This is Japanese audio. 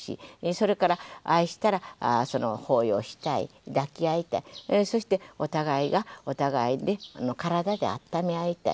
それから愛したら抱擁したい抱き合いたいそしてお互いがお互いで体で温め合いたい。